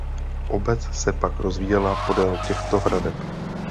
Obec se pak rozvíjela podél těchto hradeb.